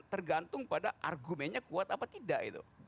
tergantung pada argumennya kuat apa tidak